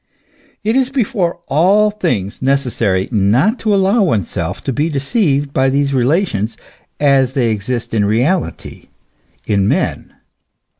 It is before all things necessary not to allow oneself to be deceived by these relations as they exist in reality, in men.